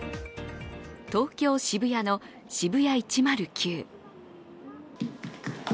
東京・渋谷のＳＨＩＢＵＹＡ１０９。